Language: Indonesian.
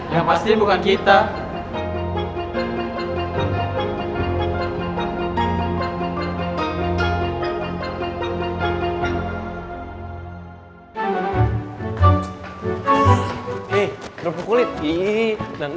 yang pasti bukan kita